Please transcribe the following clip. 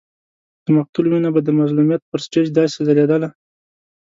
د مقتول وینه به د مظلومیت پر سټېج داسې ځلېدله.